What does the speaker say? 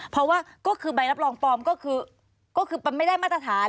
เพราะว่าก็คือใบรับรองปลอมก็คือมันไม่ได้มาตรฐาน